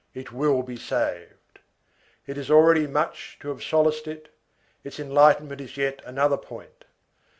It will be saved. It is already much to have solaced it; its enlightenment is yet another point.